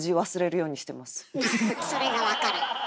それが分からん。